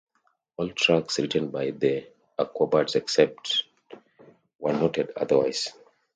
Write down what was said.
All tracks written by The Aquabats, except where noted otherwise.